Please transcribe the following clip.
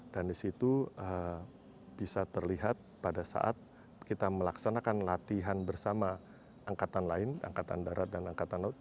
dan di situ bisa terlihat pada saat kita melaksanakan latihan bersama angkatan lain angkatan darat dan angkatan laut